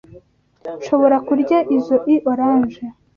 Nshobora kurya izoi orange?